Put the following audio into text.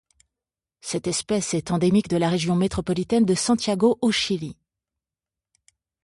Cette espèce est endémique de la région métropolitaine de Santiago au Chili.